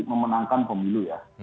memenangkan pemilu ya